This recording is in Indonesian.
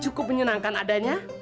cukup menyenangkan adanya